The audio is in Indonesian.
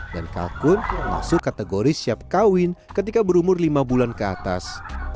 dan kalkun masuk kategori siap kawin ketika berumur lima bulan ke atas